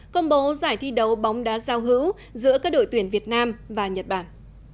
công bố giải thi đấu bóng đá giao hữu giữa các đội tuyển việt nam và nhật bản